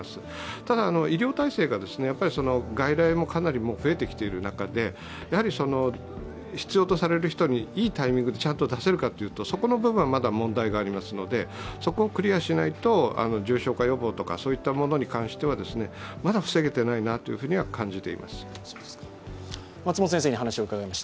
ただ、医療体制が外来もかなり増えてきている中で、必要とされる人にいいタイミングでちゃんと出せるかっていうとそこの部分はまだ問題がありますので、そこはクリアしないと重症化予防などに関しては、まだ防げていないなと感じています。